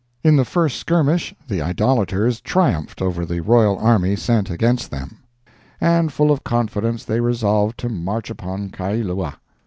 In the first skirmish the idolaters triumphed over the royal army sent against them, and full of confidence they resolved to march upon Kailua.